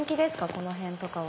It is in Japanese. このへんとかは。